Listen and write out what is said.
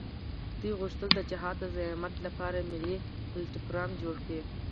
دوی غوښتل د جهاد د زعامت لپاره ملي پلټفارم جوړ کړي.